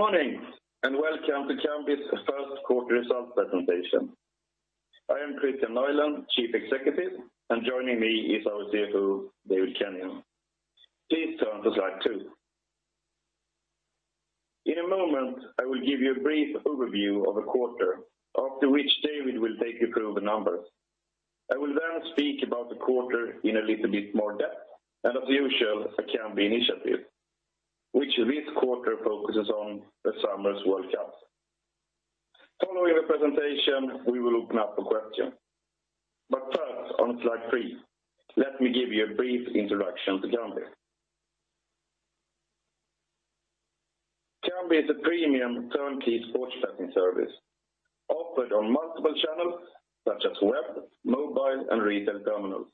Good morning, welcome to Kambi's first quarter results presentation. I am Kristian Nylén, Chief Executive, and joining me is our CFO, David Kenyon. Please turn to slide two. In a moment, I will give you a brief overview of the quarter, after which David will take you through the numbers. I will then speak about the quarter in a little bit more depth, and as usual, a Kambi initiative, which this quarter focuses on the summer's World Cup. Following the presentation, we will open up for questions. First, on slide three, let me give you a brief introduction to Kambi. Kambi is a premium turnkey sportsbook service offered on multiple channels such as web, mobile, and retail terminals.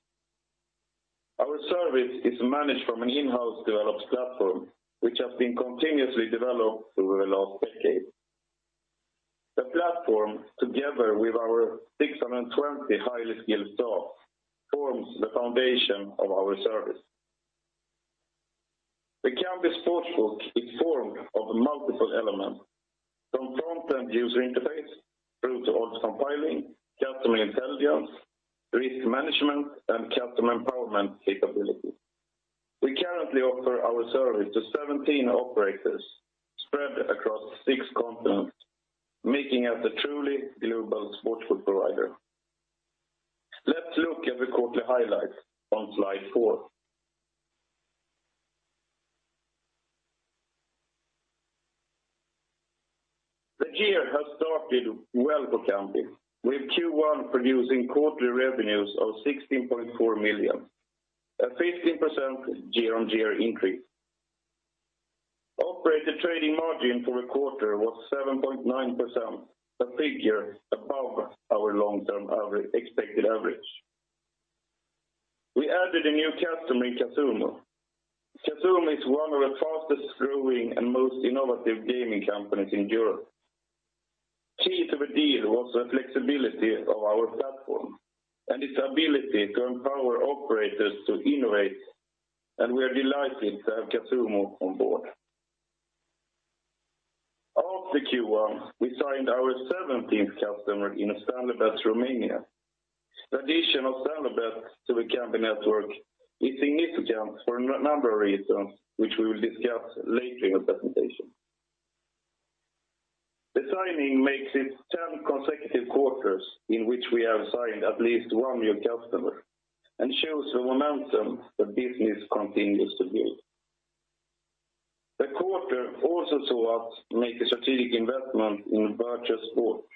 Our service is managed from an in-house developed platform, which has been continuously developed over the last decade. The platform, together with our 620 highly skilled staff, forms the foundation of our service. The Kambi Sportsbook is formed of multiple elements. From front-end user interface through to odds compiling, customer intelligence, risk management, and customer empowerment capability. We currently offer our service to 17 operators spread across six continents, making us a truly global sportsbook provider. Let's look at the quarterly highlights on slide four. The year has started well for Kambi, with Q1 producing quarterly revenues of 16.4 million, a 15% year-on-year increase. Operator trading margin for the quarter was 7.9%, a figure above our long-term expected average. We added a new customer in Casumo. Casumo is one of the fastest-growing and most innovative gaming companies in Europe. Key to the deal was the flexibility of our platform and its ability to empower operators to innovate, we are delighted to have Casumo on board. After Q1, we signed our 17th customer in Stanleybet Romania. The addition of Stanleybet to the Kambi network is significant for a number of reasons, which we will discuss later in the presentation. The signing makes it 10 consecutive quarters in which we have signed at least one new customer and shows the momentum the business continues to build. The quarter also saw us make a strategic investment in Virtus Sports,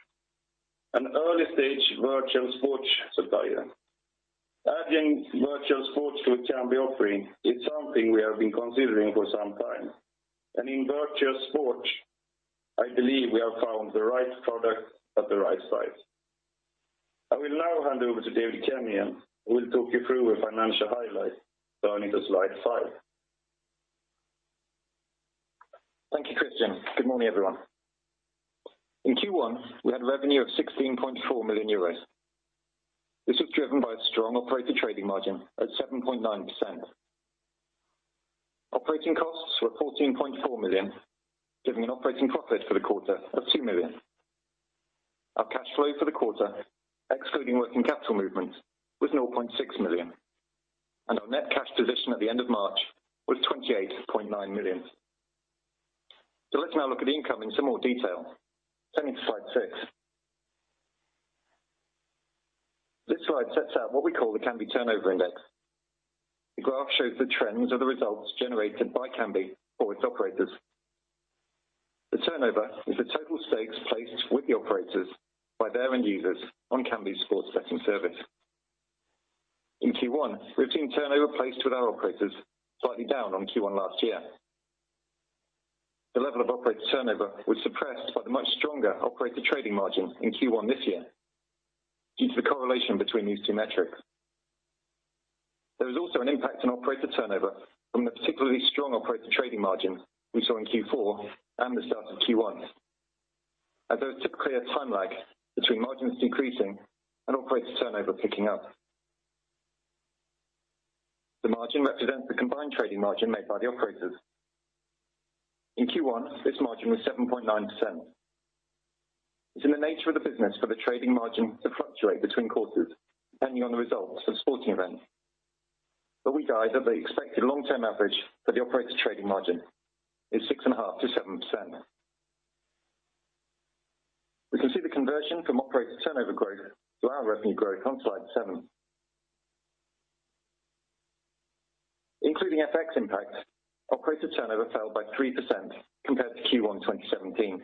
an early-stage virtual sports supplier. Adding virtual sports to the Kambi offering is something we have been considering for some time, in Virtus Sports, I believe we have found the right product at the right size. I will now hand over to David Kenyon, who will talk you through the financial highlights, going to slide five. Thank you, Kristian. Good morning, everyone. In Q1, we had revenue of 16.4 million euros. This was driven by a strong operator trading margin at 7.9%. Operating costs were 14.4 million, giving an operating profit for the quarter of two million. Our cash flow for the quarter, excluding working capital movements, was 0.6 million, and our net cash position at the end of March was 28.9 million. Let's now look at income in some more detail. Turning to slide six. This slide sets out what we call the Kambi Turnover Index. The graph shows the trends of the results generated by Kambi for its operators. The turnover is the total stakes placed with the operators by their end users on Kambi's sports betting service. In Q1, we've seen turnover placed with our operators slightly down on Q1 last year. The level of operator turnover was suppressed by the much stronger operator trading margin in Q1 this year due to the correlation between these two metrics. There was also an impact on operator turnover from the particularly strong operator trading margin we saw in Q4 and the start of Q1, as there is typically a time lag between margins decreasing and operator turnover picking up. The margin represents the combined trading margin made by the operators. In Q1, this margin was 7.9%. It's in the nature of the business for the trading margin to fluctuate between quarters depending on the results of sporting events. We guide that the expected long-term average for the operator trading margin is 6.5%-7%. We can see the conversion from operator turnover growth to our revenue growth on slide seven. Including FX impact, operator turnover fell by 3% compared to Q1 2017.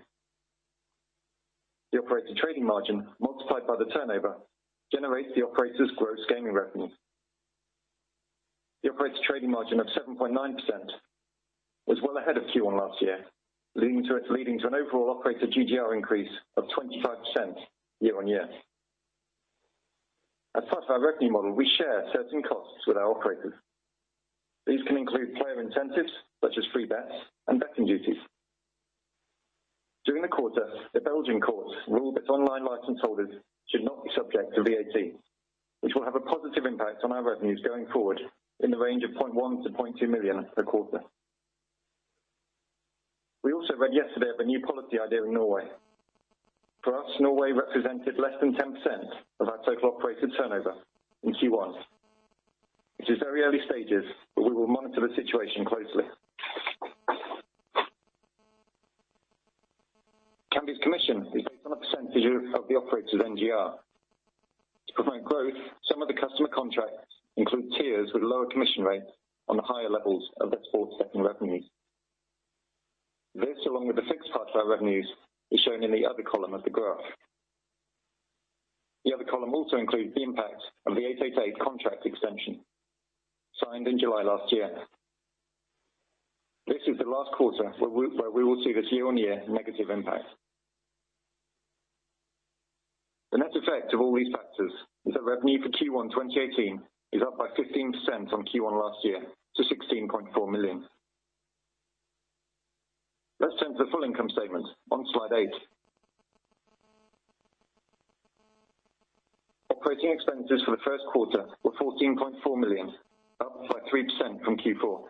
The operator trading margin, multiplied by the turnover, generates the operator's gross gaming revenue. The operator trading margin of 7.9% was well ahead of Q1 last year, leading to an overall operator GGR increase of 25% year-on-year. As part of our revenue model, we share certain costs with our operators. These can include player incentives such as free bets and betting duties. In the quarter, the Belgian courts ruled that online license holders should not be subject to VAT, which will have a positive impact on our revenues going forward in the range of 0.1 million-2 million per quarter. We also read yesterday of a new policy idea in Norway. For us, Norway represented less than 10% of our total operated turnover in Q1. It is very early stages, but we will monitor the situation closely. Kambi's commission is based on a percentage of the operator's NGR. To promote growth, some of the customer contracts include tiers with lower commission rates on the higher levels of the sports betting revenues. This, along with the fixed parts of our revenues, is shown in the other column of the graph. The other column also includes the impact of the 888 contract extension signed in July last year. This is the last quarter where we will see this year-on-year negative impact. The net effect of all these factors is that revenue for Q1 2018 is up by 15% from Q1 last year to 16.4 million. Let's turn to the full income statement on slide eight. Operating expenses for the first quarter were 14.4 million, up by 3% from Q4.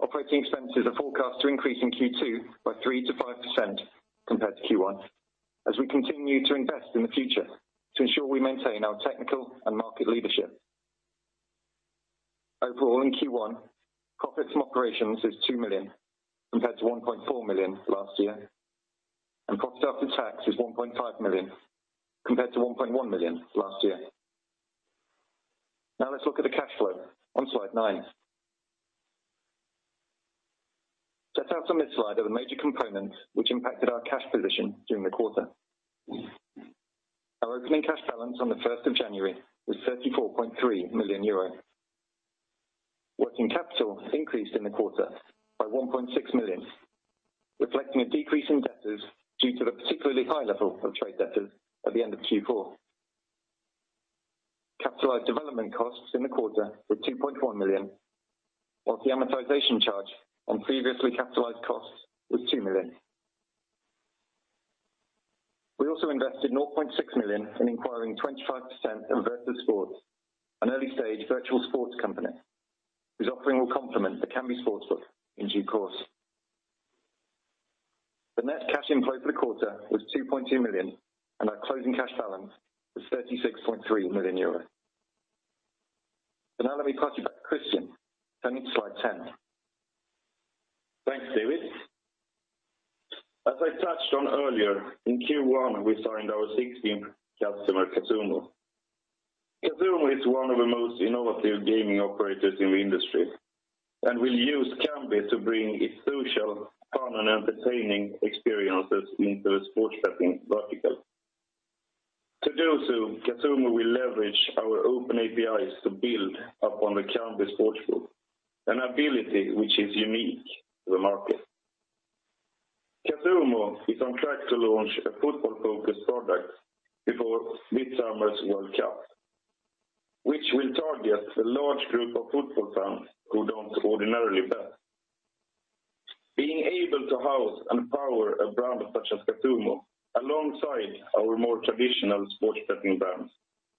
Operating expenses are forecast to increase in Q2 by 3%-5% compared to Q1 as we continue to invest in the future to ensure we maintain our technical and market leadership. Overall, in Q1, profit from operations is 2 million compared to 1.4 million last year, and cost after tax is 1.5 million compared to 1.1 million last year. Let's look at the cash flow on slide nine. Set out on this slide are the major components which impacted our cash position during the quarter. Our opening cash balance on the 1st of January was 34.3 million euro. Working capital increased in the quarter by 1.6 million, reflecting a decrease in debtors due to the particularly high level of trade debtors at the end of Q4. Capitalized development costs in the quarter were 2.1 million, whilst the amortization charge on previously capitalized costs was 2 million. We also invested 0.6 million in acquiring 25% of Virtus Sports, an early-stage virtual sports company whose offering will complement the Kambi Sportsbook in due course. The net cash inflow for the quarter was 2.2 million, and our closing cash balance was 36.3 million euros. Now let me pass you back to Kristian, turning to slide 10. Thanks, David. As I touched on earlier, in Q1, we signed our 16th customer, Casumo. Casumo is one of the most innovative gaming operators in the industry and will use Kambi to bring its social, fun, and entertaining experiences into the sports betting vertical. To do so, Casumo will leverage our open APIs to build upon the Kambi Sportsbook, an ability which is unique to the market. Casumo is on track to launch a football-focused product before this summer's World Cup, which will target a large group of football fans who don't ordinarily bet. Being able to house and power a brand such as Casumo alongside our more traditional sports betting brands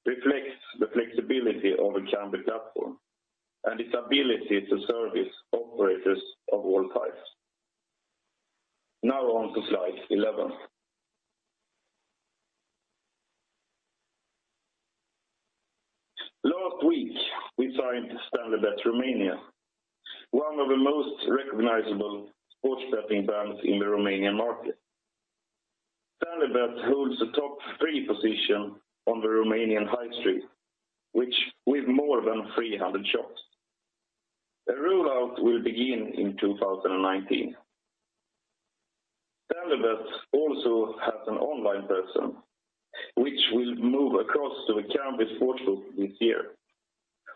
reflects the flexibility of the Kambi platform and its ability to service operators of all types. Now on to slide 11. Last week, we signed Stanleybet Romania, one of the most recognizable sports betting brands in the Romanian market. Stanleybet holds the top three position on the Romanian high street, with more than 300 shops. Their rollout will begin in 2019. Stanleybet also has an online presence, which will move across to the Kambi Sportsbook this year.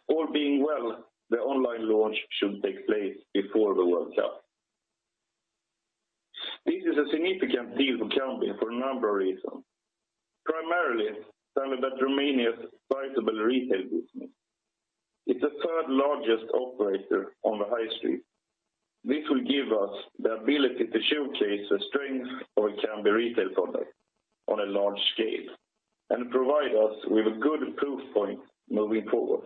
All being well, the online launch should take place before the World Cup. This is a significant deal for Kambi for a number of reasons. Primarily, Stanleybet Romania's sizable retail business. It's the third largest operator on the high street. This will give us the ability to showcase the strength of the Kambi retail product on a large scale and provide us with a good proof point moving forward.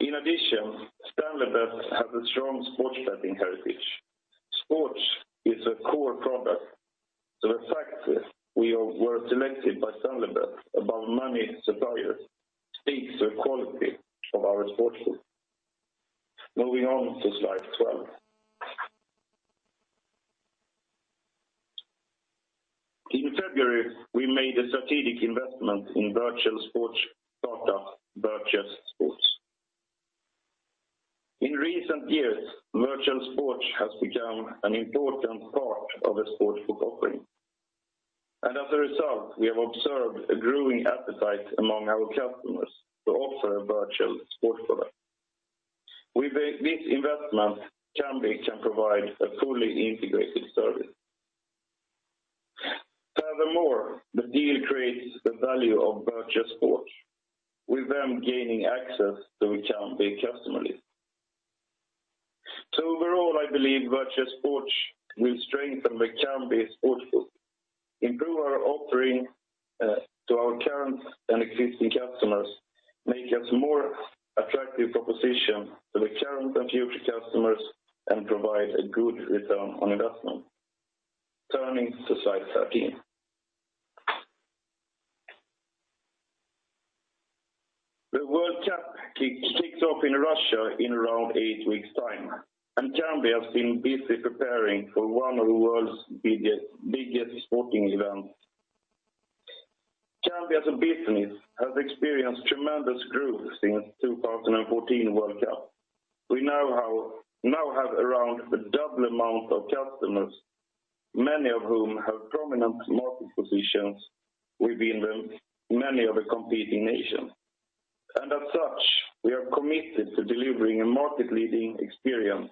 In addition, Stanleybet has a strong sports betting heritage. Sports is a core product, the fact that we were selected by Stanleybet above many suppliers speaks to the quality of our sportsbook. Moving on to slide 12. In February, we made a strategic investment in virtual sports data Virtus Sports. In recent years, virtual sports has become an important part of the sportsbook offering. As a result, we have observed a growing appetite among our customers to offer a virtual sports product. With this investment, Kambi can provide a fully integrated service. Furthermore, the deal creates the value of Virtus Sports, with them gaining access to the Kambi customer list. Overall, I believe Virtus Sports will strengthen the Kambi Sportsbook, improve our offering to our current and existing customers, make us more attractive proposition to the current and future customers, and provide a good return on investment. Turning to slide 13. The World Cup kicks off in Russia in around 8 weeks' time. Kambi has been busy preparing for one of the world's biggest sporting events. Kambi as a business has experienced tremendous growth since 2014 World Cup. We now have around double amount of customers, many of whom have prominent market positions within many of the competing nations. As such, we are committed to delivering a market leading experience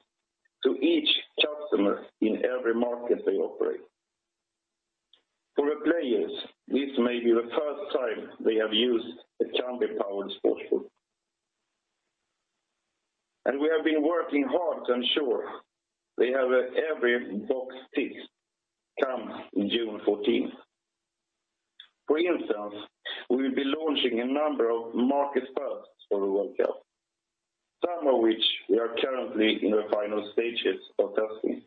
to each customer in every market they operate. For the players, this may be the first time they have used a Kambi powered sportsbook. We have been working hard to ensure they have every box ticked come June 14th. For instance, we will be launching a number of market firsts for the World Cup, some of which we are currently in the final stages of testing.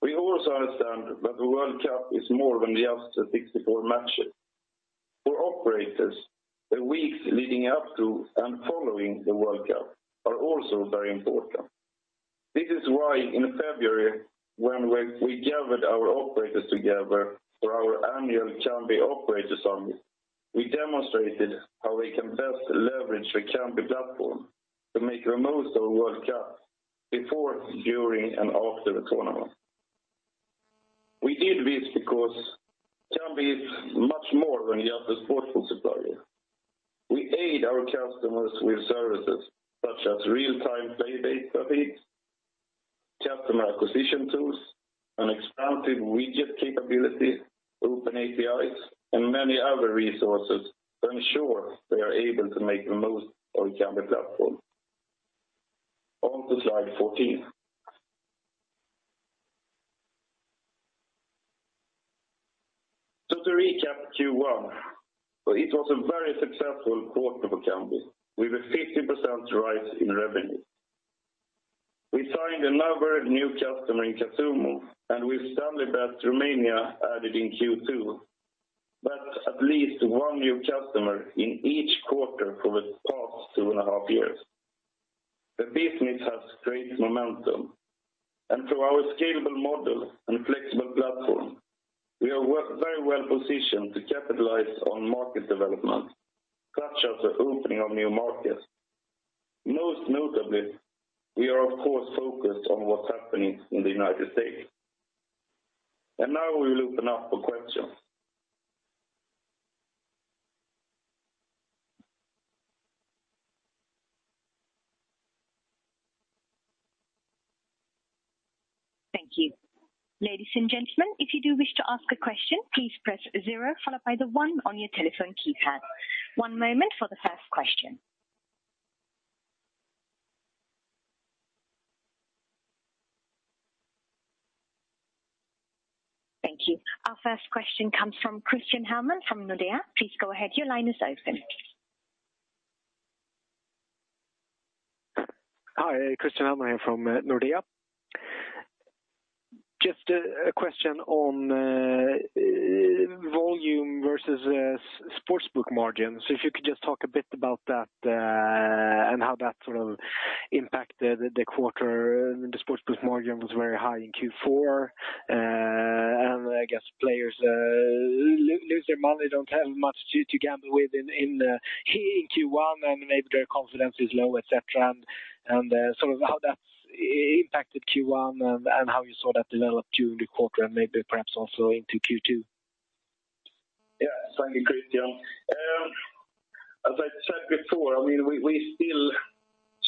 We also understand that the World Cup is more than just the 64 matches. For operators, the weeks leading up to and following the World Cup are also very important. This is why in February, when we gathered our operators together for our annual Kambi operator summit, we demonstrated how they can best leverage the Kambi platform to make the most of World Cup before, during, and after the tournament. We did this because Kambi is much more than just a sportsbook supplier. We aid our customers with services such as real-time play data feeds, customer acquisition tools, and expansive widget capabilities, open APIs, and many other resources to ensure they are able to make the most of the Kambi platform. On to slide 14. To recap Q1, it was a very successful quarter for Kambi with a 15% rise in revenue. We signed another new customer in Casumo, and with Stanleybet Romania added in Q2. That's at least one new customer in each quarter for the past two and a half years. The business has great momentum, and through our scalable model and flexible platform, we are very well positioned to capitalize on market development such as the opening of new markets. Most notably, we are of course focused on what's happening in the U.S. Now we will open up for questions. Thank you. Ladies and gentlemen, if you do wish to ask a question, please press zero followed by the one on your telephone keypad. One moment for the first question. Thank you. Our first question comes from Christian Hellman from Nordea. Please go ahead. Your line is open. Hi, Christian Hellman from Nordea. Just a question on volume versus sportsbook margins. If you could just talk a bit about that and how that sort of impacted the quarter. The sportsbook margin was very high in Q4. I guess players lose their money, don't have much to gamble with in Q1, and maybe their confidence is low, et cetera, and sort of how that's impacted Q1, and how you saw that develop during the quarter and maybe perhaps also into Q2. Yes. Thank you, Christian. As I said before, we still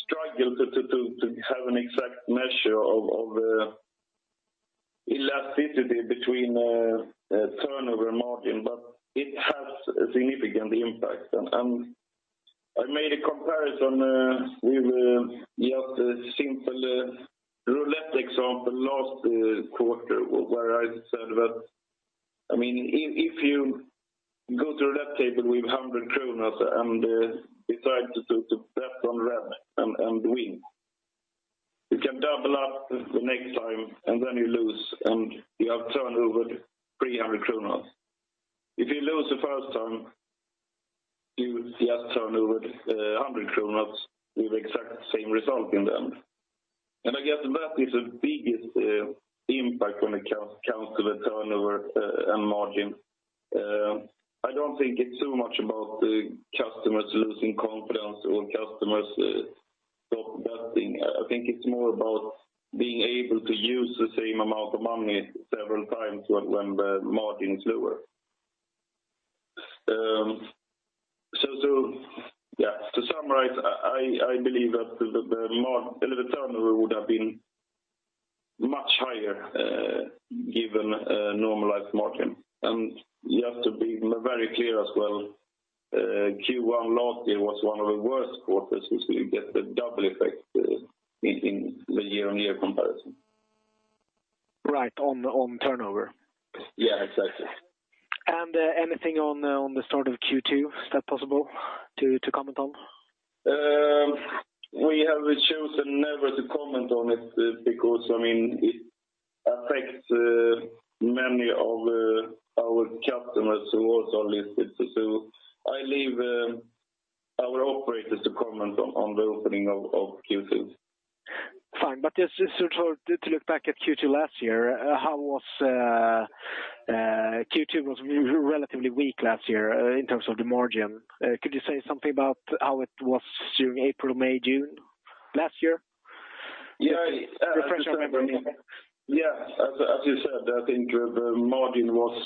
struggle to have an exact measure of elasticity between turnover margin, but it has a significant impact. I made a comparison with just a simple roulette example last quarter, where I said that if you go to a roulette table with 100 and decide to bet on red and win, you can double up the next time, then you lose, and you have turned over 300. If you lose the first time, you just turned over 100 with exact same result in the end. I guess that is the biggest impact when it comes to the turnover and margin. I don't think it's so much about the customers losing confidence or customers stop betting. I think it's more about being able to use the same amount of money several times when the margin is lower. I believe that the turnover would have been much higher given a normalized margin. You have to be very clear as well, Q1 last year was one of the worst quarters, which will get the double effect in the year-on-year comparison. Right. On turnover. Yeah, exactly. Anything on the start of Q2, is that possible to comment on? We have chosen never to comment on it because it affects many of our customers who also list it. I leave our operators to comment on the opening of Q2. Fine. Just to look back at Q2 last year, Q2 was relatively weak last year in terms of the margin. Could you say something about how it was during April, May, June last year? Just to refresh my memory. Yes. As you said, I think the margin was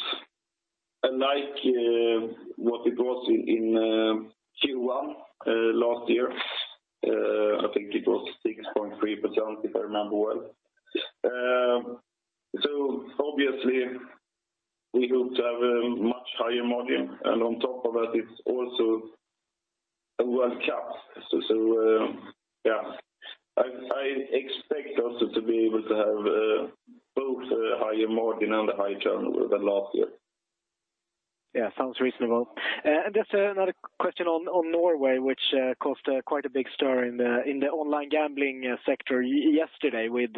unlike what it was in Q1 last year. I think it was 6.3% if I remember well. Obviously we hope to have a much higher margin, and on top of that it's also a World Cup. Yeah. I expect also to be able to have both a higher margin and a high turnover than last year. Yeah, sounds reasonable. Just another question on Norway, which caused quite a big stir in the online gambling sector yesterday with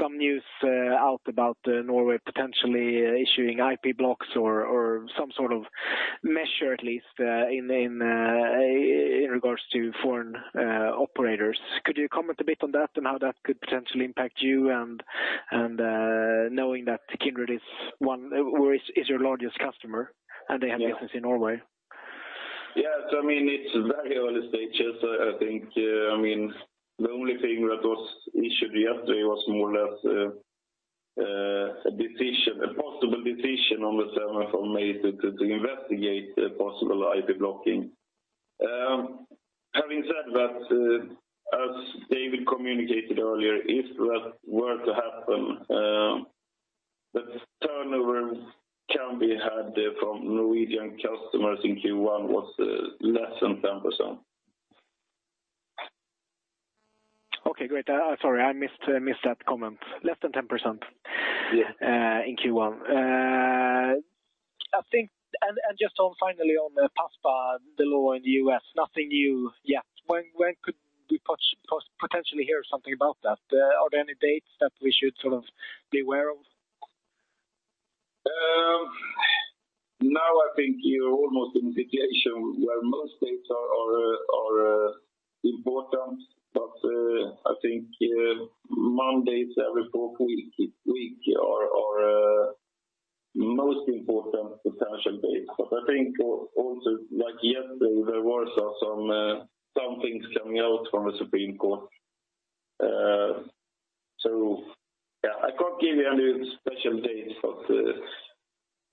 some news out about Norway potentially issuing IP blocks or some sort of measure at least in regards to foreign operators. Could you comment a bit on that and how that could potentially impact you, and knowing that Kindred is your largest customer and they have business in Norway? Yeah. It's very early stages. The only thing that was issued yesterday was more or less a possible decision on the 7th of May to investigate possible IP blocking. Having said that, as David communicated earlier, if that were to happen, the turnover Kambi had from Norwegian customers in Q1 was less than 10%. Okay, great. Sorry, I missed that comment. Less than 10% in Q1. Yeah. Just finally on PASPA, the law in the U.S., nothing new yet. When could we potentially hear something about that? Are there any dates that we should sort of be aware of? I think you're almost in a situation where most dates are important, but I think Mondays every fourth week are most important potential dates. I think also, like yesterday, there were some things coming out from the Supreme Court. Yeah, I can't give you any special dates, but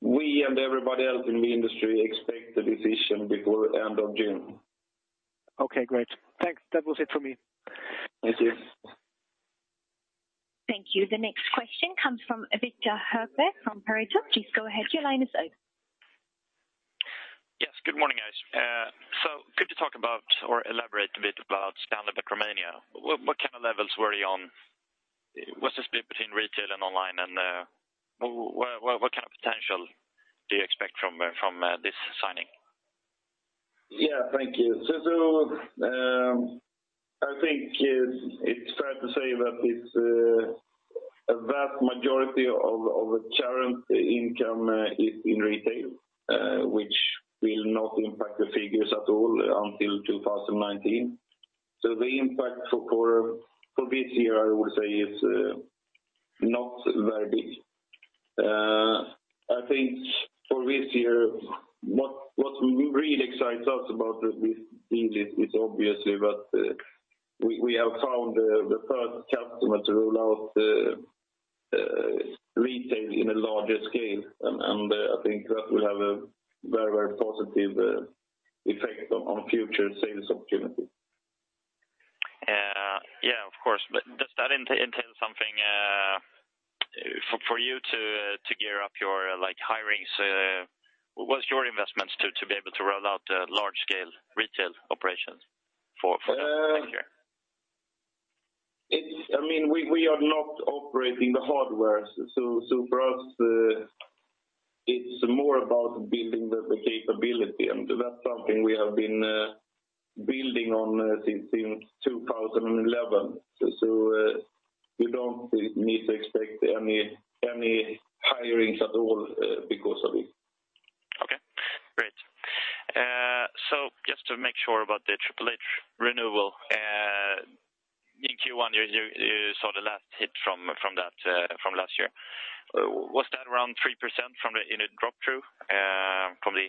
we and everybody else in the industry expect the decision before the end of June. Okay, great. Thanks. That was it for me. Thank you. Thank you. The next question comes from Viktor Hebert from Berita. Please go ahead, your line is open. Yes, good morning, guys. Could you talk about or elaborate a bit about Stanleybet Romania. What kind of levels were you on? What's the split between retail and online, and what kind of potential do you expect from this signing? Yeah, thank you. I think it's fair to say that it's a vast majority of the current income is in retail, which will not impact the figures at all until 2019. The impact for this year I would say is not very big. I think for this year, what really excites us about this deal is obviously that we have found the first customer to roll out retail in a larger scale, and I think that will have a very positive effect on future sales opportunities. Yeah, of course. Does that entail something for you to gear up your hirings? What's your investments to be able to roll out large scale retail operations for next year? We are not operating the hardware. For us, it's more about building the capability, and that's something we have been building on since 2011. You don't need to expect any hirings at all because of it. Okay, great. Just to make sure about the 888 renewal. In Q1 you saw the last hit from last year. Was that around 3% in the drop-through from the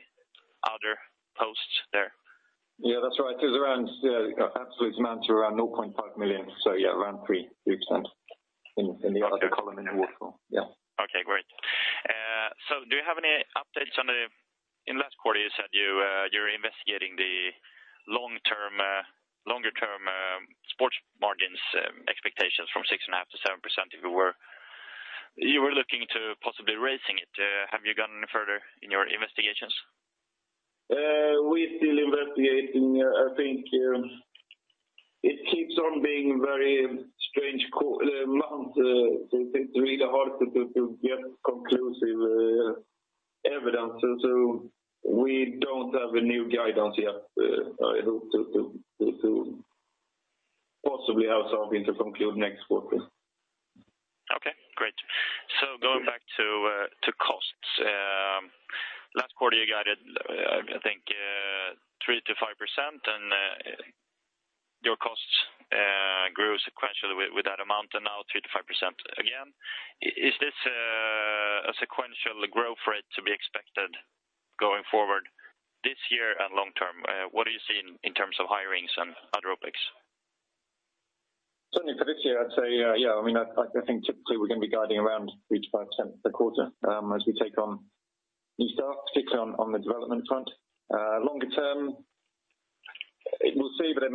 other posts there? Yeah, that's right. Absolute amounts are around 0.5 million. Yeah, around 3% in the other column in the waterfall. Yeah. Do you have any updates? In last quarter, you said you're investigating the longer-term sports margins expectations from 6.5% to 7%, you were looking to possibly raising it. Have you gone any further in your investigations? We're still investigating. I think it keeps on being very strange months. It's really hard to get conclusive evidence. We don't have a new guidance yet. I hope to possibly have something to conclude next quarter. Okay, great. Going back to costs. Last quarter, you guided, I think 3%-5%, and your costs grew sequentially with that amount, and now 3%-5% again. Is this a sequential growth rate to be expected going forward this year and long-term? What are you seeing in terms of hirings and other OpEx? Certainly for this year, I'd say yes. I think typically we're going to be guiding around 3%-5% per quarter as we take on new staff, particularly on the development front. Longer term, we'll see, but I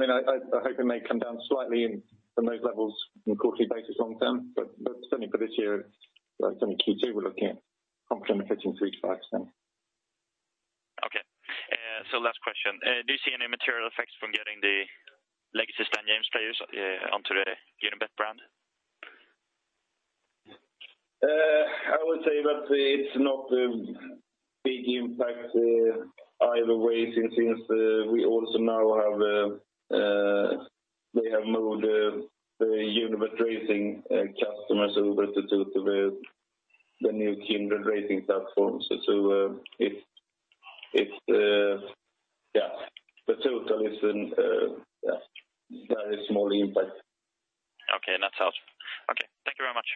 hope it may come down slightly from those levels on a quarterly basis long-term. Certainly for this year, certainly Q2, we're looking at complementing 3%-5%. Okay. Last question. Do you see any material effects from getting the legacy Stan James players onto the Unibet brand? I would say that it's not a big impact either way since we also now have moved the Unibet Racing customers over to the new Kindred Racing platform. The total is a very small impact. Okay, that's helpful. Okay. Thank you very much.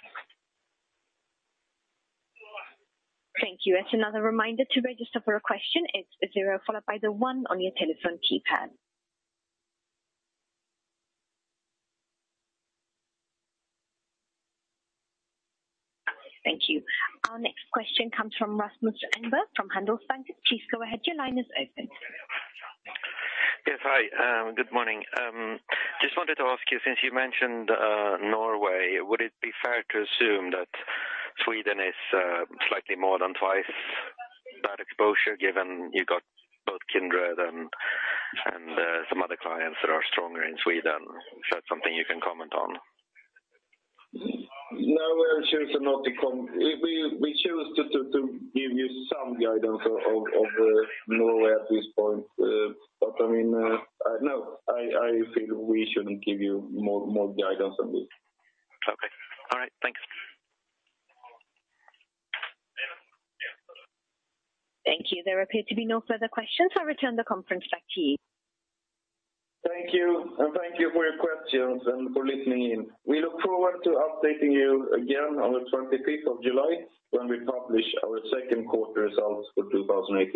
Thank you. As another reminder, to register for a question, it's a zero followed by the one on your telephone keypad. Thank you. Our next question comes from Rasmus Engberg from Handelsbanken. Please go ahead. Your line is open. Yes. Hi, good morning. Just wanted to ask you, since you mentioned Norway, would it be fair to assume that Sweden is slightly more than twice that exposure, given you got both Kindred and some other clients that are stronger in Sweden? Is that something you can comment on? No, I refuse to. We choose to give you some guidance of Norway at this point. No, I feel we shouldn't give you more guidance than this. Okay. All right. Thanks. Thank you. There appear to be no further questions. I return the conference back to you. Thank you. Thank you for your questions and for listening in. We look forward to updating you again on the 25th of July when we publish our second quarter results for 2018.